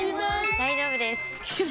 大丈夫です！